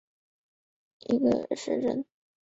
霍尔特兰是德国下萨克森州的一个市镇。